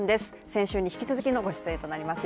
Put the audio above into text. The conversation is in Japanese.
先週に引き続きのご出演となります